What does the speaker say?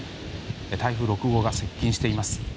台風６号が接近しています。